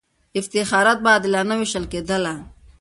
افتخارات به عادلانه وېشل کېدله.